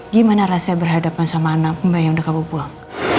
gimana rasa berhadapan sama anak mbak yang udah kamu buang